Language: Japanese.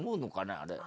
あれ。